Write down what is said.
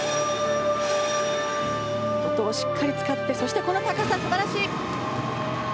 音をしっかり使ってそしてこの高さ素晴らしい！